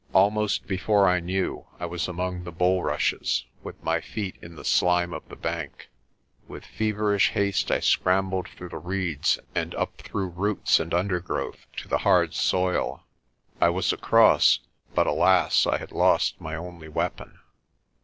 Almost before I knew, I was among the bulrushes, with my feet in the slime of the bank. With feverish haste I scrambled through the reeds and up through roots and COLLAR OF PRESTER JOHN 173 undergrowth to the hard soil. I was across but, alas, I had lost my only weapon.